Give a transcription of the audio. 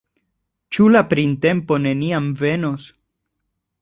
Ĉu la printempo neniam venos?